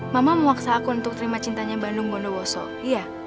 mama mewaksa aku untuk terima cintanya bandung gondowoso iya